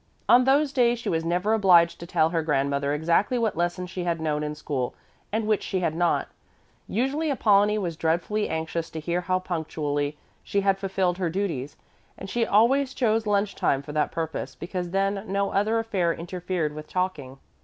On those days she was never obliged to tell her grandmother exactly what lessons she had known in school and which she had not. Usually Apollonie was dreadfully anxious to hear how punctually she had fulfilled her duties, and she always chose lunch time for that purpose because then no other affair interfered with talking.